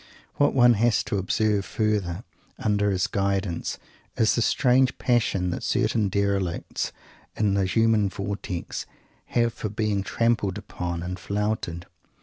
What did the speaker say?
What one has to observe further, under his guidance, is the strange passion that certain derelicts in the human vortex have for being trampled upon and flouted.